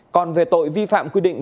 còn về tội vi phạm quy định